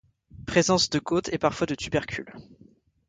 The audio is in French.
Présence de côtes et parfois de tubercules.